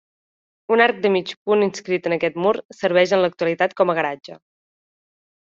Un arc de mig punt inscrit en aquest mur, serveix en l'actualitat com a garatge.